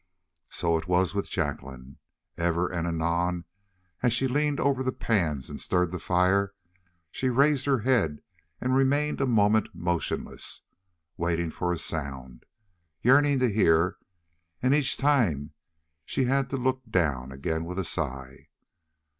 So it was with Jacqueline. Ever and anon as she leaned over the pans and stirred the fire she raised her head and remained a moment motionless, waiting for a sound, yearning to hear, and each time she had to look down again with a sigh.